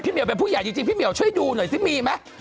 เหี่ยวเป็นผู้ใหญ่จริงพี่เหมียวช่วยดูหน่อยซิมีไหม